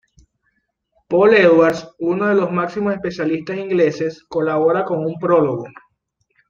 Paul Edwards, uno de los máximos especialistas ingleses, colabora con un prólogo.